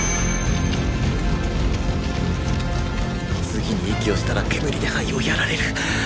次に息をしたら煙で肺をやられる